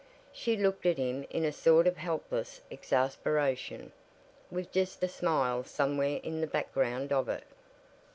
She looked at him in a sort of helpless exasperation, with just a smile somewhere in the background of it.